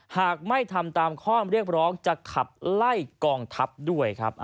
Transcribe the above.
หากไม่ทำตามข้อเรียกร้องจะขับไล่กองทัพด้วยครับ